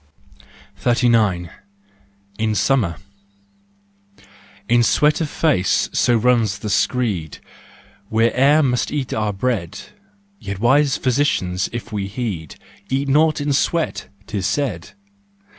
39 * In Summer . In sweat of face, so runs the screed, We e'er must eat our bread, Yet wise physicians if we heed " Eat naught in sweat," 'tis said.